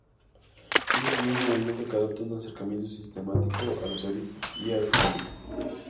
Es el primer movimiento que adopta un acercamiento sistemático a la teoría económica.